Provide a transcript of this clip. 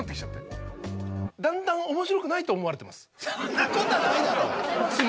そんなことはないだろ！